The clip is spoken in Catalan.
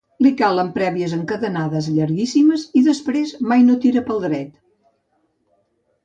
Li calen prèvies encadenades, llarguíssimes, i després mai no tira pel dret.